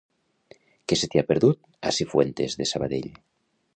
Què se t'hi ha perdut, a Cifuentes de Sabadell?